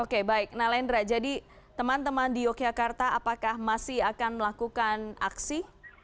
oke baik nalendra jadi teman teman di yogyakarta apakah masih akan melakukan aksi